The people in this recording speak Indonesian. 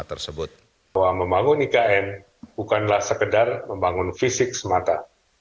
bahwa membangun ikn bukanlah sekedar membangun fisik semata